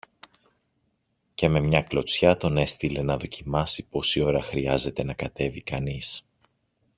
και με μια κλωτσιά τον έστειλε να δοκιμάσει πόση ώρα χρειάζεται να κατέβει κανείς